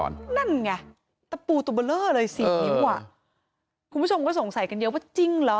คุณผู้ชมก็สงสัยกันเยอะว่าจริงหรอ